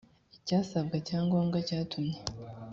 icyasabwaga cya ngombwa cyatumye